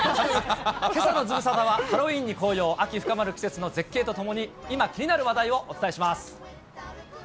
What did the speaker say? けさのズムサタはハロウィーンに紅葉、秋深まる季節の絶景とともに今気になる話題をお伝えします。